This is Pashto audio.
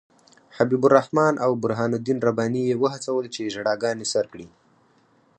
حبیب الرحمن او برهان الدین رباني یې وهڅول چې ژړاګانې سر کړي.